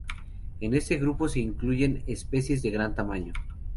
En este grupo se incluyen especies de gran tamaño.